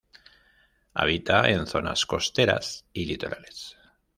Habita en zonas costeras y litorales.